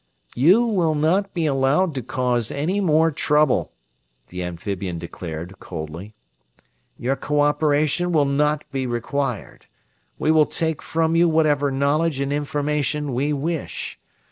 "You will not be allowed to cause any more trouble," the amphibian declared, coldly. "Your co operation will not be required. We will take from you whatever knowledge and information we wish.